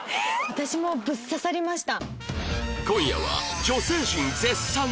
私もブッ刺さりました。